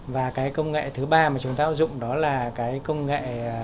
và công nghệ thứ ba mà chúng ta áp dụng đó là công nghệ